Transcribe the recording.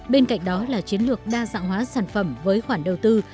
bên cạnh đó là chiến lược đa dạng hóa sản phẩm với khoản đầu tư